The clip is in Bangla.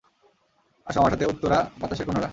আসো আমার সাথে, উত্তরা বাতাসের কন্যারা!